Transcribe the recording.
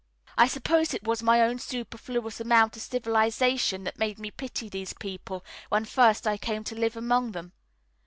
I suppose it was my own superfluous amount of civilisation that made me pity these people when first I came to live among them.